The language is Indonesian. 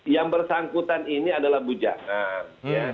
yang bersangkutan ini adalah bujangan